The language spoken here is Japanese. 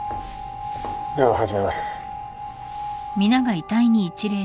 では始めます。